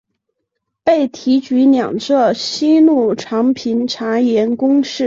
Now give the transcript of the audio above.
被提举两浙西路常平茶盐公事。